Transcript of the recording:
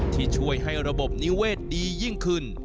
ที่ช่วยให้ระบบนิเวศดียิ่งขึ้น